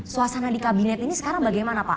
suasana di kabinet ini sekarang bagaimana pak